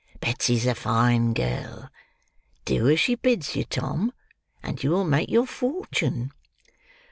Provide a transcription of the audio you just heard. Betsy's a fine girl. Do as she bids you, Tom, and you will make your fortune."